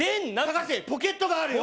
隆ポケットがあるよ